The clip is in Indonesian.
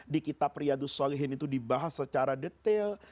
di kitab riadus solehin itu dibahas secara detail